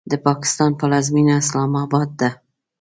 د پاکستان پلازمینه اسلام آباد ده.